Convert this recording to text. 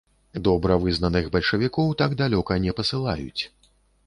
Добра вызнаных бальшавікоў так далёка не пасылаюць.